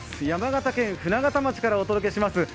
山形県舟形町からお届けします